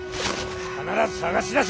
必ず捜し出せ！